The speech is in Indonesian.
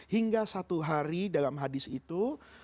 hingga satu hari dalam hadis itu